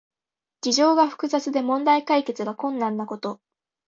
事情が複雑で問題解決が困難なこと。